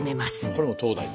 これも東大寺？